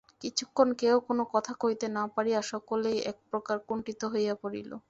কিছুক্ষণ কেহ কোনো কথা কহিতে না পারিয়া সকলেই একপ্রকার কুণ্ঠিত হইয়া পড়িল।